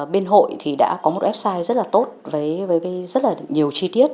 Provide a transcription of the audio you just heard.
bên hội thì đã có một website rất là tốt với rất là nhiều chi tiết